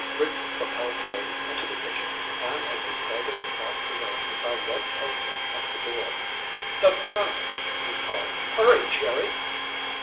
Rick propelled Jerry into the kitchen, and as they started across the room he saw Red Kelso at the door. "The front," he called. "Hurry, Jerry."